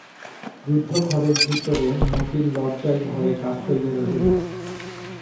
রুদ্ধ ঘরের ভিতরে মতি লজ্জায় ভয়ে কাঠ হইয়া রহিল।